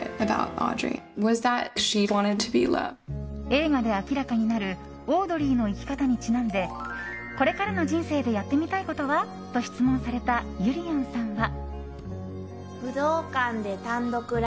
映画で明らかになるオードリーの生き方にちなんでこれからの人生でやってみたいことは？と質問された、ゆりやんさんは。